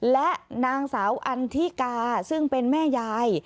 และนางสาวอันทิกาซึ่งเป็นแม่ยาย